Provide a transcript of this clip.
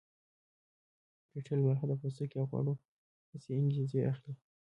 پریټل برخه د پوستکي او غړو حسي انګیزې اخلي